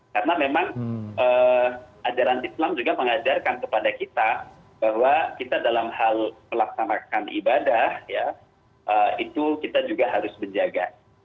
karena memang ajaran islam juga mengajarkan kepada kita bahwa kita dalam hal melaksanakan ibadah ya itu kita juga harus menjaga